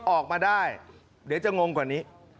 ออกมาได้เดี๋ยวจะงงกว่านี้